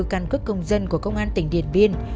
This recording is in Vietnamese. căn cước công dân của công an tỉnh điện biên